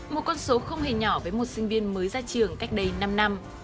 một con số không hề nhỏ với một sinh viên mới ra trường cách đây năm năm